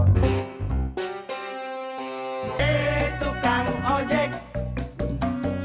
eh tukang ojek